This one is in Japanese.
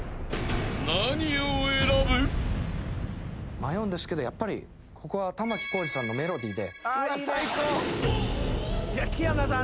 迷うんですけどやっぱりここは玉置浩二さんの『メロディー』で。